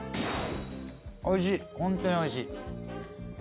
おいしいホントにおいしい。